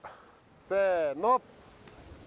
せの！